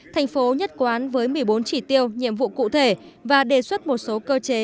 thành phố nhất quán với một mươi bốn chỉ tiêu nhiệm vụ cụ thể và đề xuất một số cơ chế